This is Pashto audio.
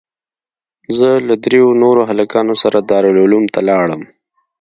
زه له درېو نورو هلکانو سره دارالعلوم ته ولاړم.